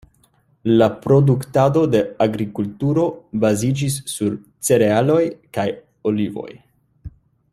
La produktado de agrikulturo baziĝis sur cerealoj kaj olivoj.